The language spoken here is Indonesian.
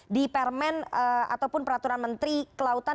di permen ataupun peraturan menteri kelautan